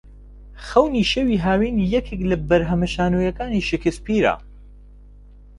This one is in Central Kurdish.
خەونی شەوی هاوین یەکێک لە بەرهەمە شانۆییەکانی شکسپیرە